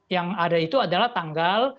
yang ada itu adalah tanggal